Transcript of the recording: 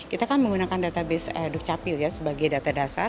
kita kan menggunakan database dukcapil ya sebagai data dasar